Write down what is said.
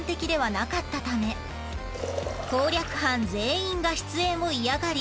攻略班全員が出演を嫌がり